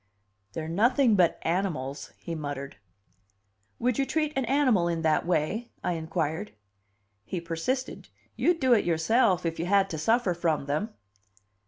"They're nothing but animals," he muttered. "Would you treat an animal in that way?" I inquired. He persisted. "You'd do it yourself if you had to suffer from them."